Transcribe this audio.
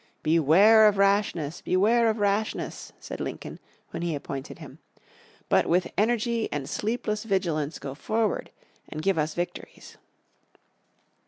"Beware of rashness, beware of rashness," said Lincoln, when he appointed him. "But with energy and sleepless vigilance go forward, and give us victories."